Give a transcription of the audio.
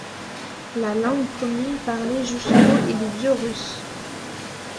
La langue commune parlée jusqu'au est le vieux russe.